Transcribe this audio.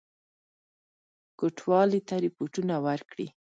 کوټوالی ته رپوټونه ورکړي.